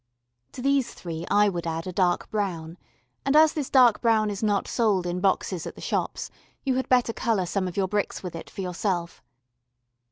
To these three I would add a dark brown; and as this dark brown is not sold in boxes at the shops, you had better colour some of your bricks with it for yourself.